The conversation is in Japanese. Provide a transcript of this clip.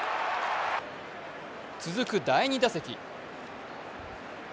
続く第２打席。